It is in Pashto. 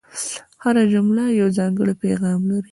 هره جمله یو ځانګړی پیغام لري.